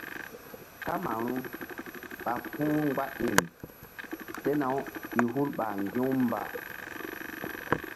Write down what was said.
Kamaru ɓa puh mgba iŋ sena-u i hul ɓa ŋgi̧-u mba.